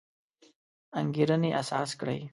انګېرنې اساس کړی.